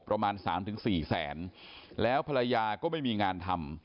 ประมาณ๓๔แสนแล้วภรรยาก็ไม่มีงานทำ